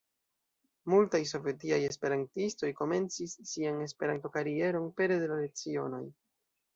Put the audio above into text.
Multaj sovetiaj esperantistoj komencis sian Esperanto-karieron pere de la lecionoj.